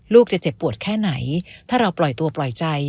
จะเจ็บปวดแค่ไหนถ้าเราปล่อยตัวปล่อยใจ